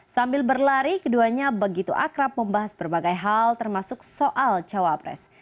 sambil berlari keduanya begitu akrab membahas berbagai hal termasuk soal cawapres